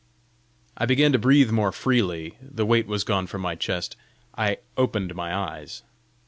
I began to breathe more freely; the weight was gone from my chest; I opened my eyes.